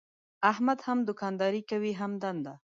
احمد هم دوکانداري کوي هم دنده.